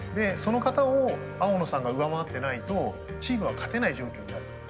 その方を青野さんが上回ってないとチームは勝てない状況にある。